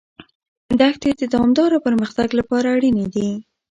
دښتې د دوامداره پرمختګ لپاره اړینې دي.